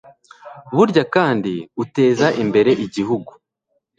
burya kandi uteza imbere igihugu